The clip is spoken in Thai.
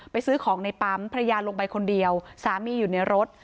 ซื้อของในปั๊มภรรยาลงไปคนเดียวสามีอยู่ในรถ